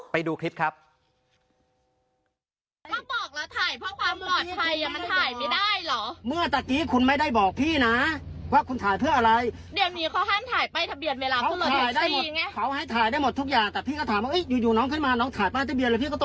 ไปดูคลิปครับ